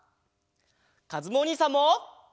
かずむおにいさんも！